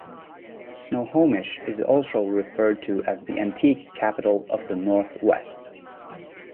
Snohomish is also referred to as the Antique Capital of the Northwest.